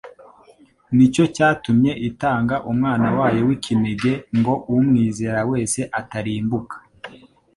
nicyo cyatumye itanga Umwana wayo w'ikinege ngo umwizera wese atarimbuka